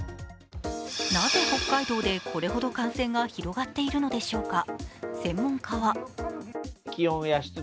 なぜ北海道でこれほど感染が広がっているのでしょうか。